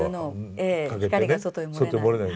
ええ光が外に漏れない。